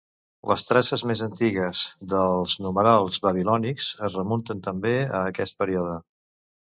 Les traces més antigues dels numerals babilònics es remunten també a aquest període.